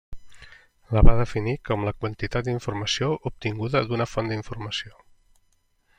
La va definir com la quantitat d'informació obtinguda d'una font d'informació.